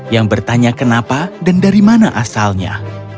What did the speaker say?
yang bertanya kenapa dan dari mana asalnya